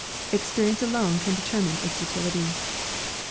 Experience alone can deter mine its utility.